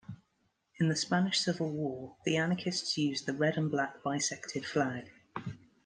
In the Spanish civil war, the anarchists used the red-and-black bisected flag.